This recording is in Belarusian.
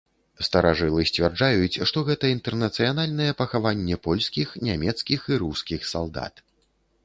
Старажылы сцвярджаюць, што гэта інтэрнацыянальнае пахаванне польскіх, нямецкіх і рускіх салдат.